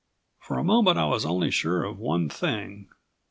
For a moment I was only sure of one thing.